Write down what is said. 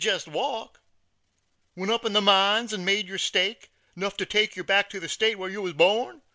Jest walk! "Went up in the mines an' made yer stake, 'Nuff to take yer back to ther state Whar yer wur born.